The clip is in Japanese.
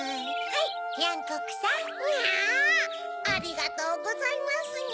ありがとうございますにゃ。